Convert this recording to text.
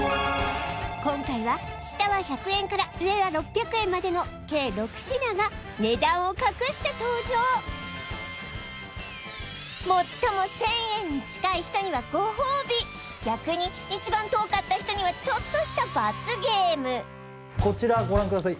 今回は下は１００円から上は６００円までの計６品が値段を隠して登場最も１０００円に近い人にはご褒美逆に一番遠かった人にはちょっとした罰ゲームこちらご覧ください